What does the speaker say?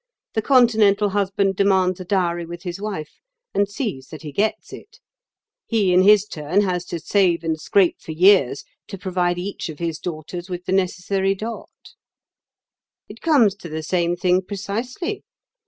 The Continental husband demands a dowry with his wife, and sees that he gets it. He in his turn has to save and scrape for years to provide each of his daughters with the necessary dot. It comes to the same thing precisely.